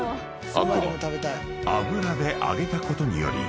［油で揚げたことにより］